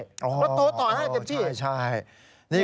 และโตต่อให้เจ็บขี้